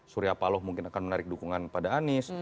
suryapalo mungkin akan menarik dukungan pada anies